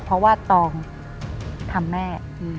เพราะว่าตองทำแม่